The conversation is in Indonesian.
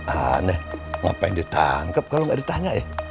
aneh ngapain ditangkep kalau gak ditanya ya